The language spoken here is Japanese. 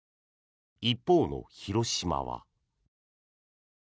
一方の広島は。